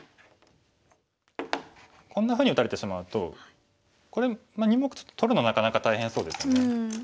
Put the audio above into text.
こんなふうに打たれてしまうと２目取るのはなかなか大変そうですよね。